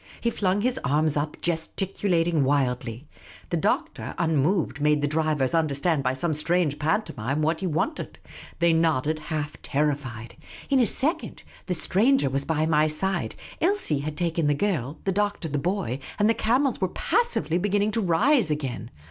He flung his arms up, gesticulating wildly. The Doctor, unmoved, made the drivers understand by some strange pantomime what he wanted. They nodded, half The Unobtrusive Oasis 203 terrified. In a second, the stranger was by my side, Elsie had taken the girl, the Doctor the boy, and the camels were passively beginning to rise again.